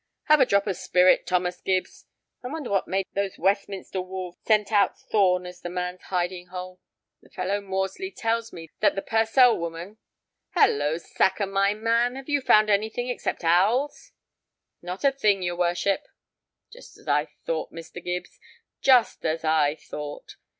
Have a drop of spirit, Thomas Gibbs. I wonder what made those Westminster wolves scent out Thorn as the man's hiding hole. The fellow Maudesly tells me that the Purcell woman—Halloo, Sacker, my man, have you found anything except owls?" "Not a thing, your worship." "Just as I thought, Mr. Gibbs—just as I thought.